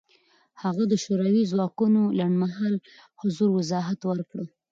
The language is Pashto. هغه د شوروي ځواکونو لنډمهاله حضور وضاحت ورکړ.